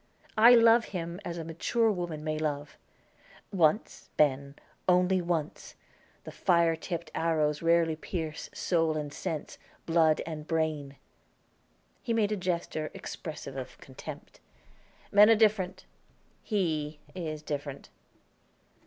I love him, as a mature woman may love, once, Ben, only once; the fire tipped arrows rarely pierce soul and sense, blood and brain." He made a gesture, expressive of contempt. "Men are different; he is different."